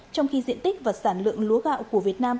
trong khi diện tích và sản lượng lúa gạo của việt nam